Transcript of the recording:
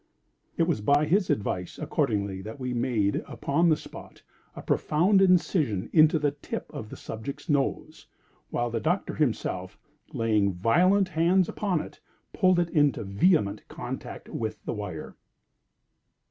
It was by his advice, accordingly, that we made, upon the spot, a profound incision into the tip of the subject's nose, while the Doctor himself, laying violent hands upon it, pulled it into vehement contact with the wire.